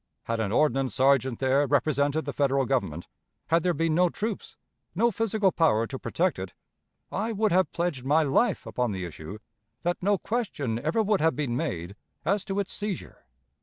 Had an ordnance sergeant there represented the Federal Government, had there been no troops, no physical power to protect it, I would have pledged my life upon the issue that no question ever would have been made as to its seizure.